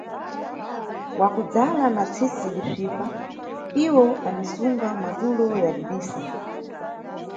Wakudzala na tsisi lisvipa, iwo anisunga matulo yadidisa.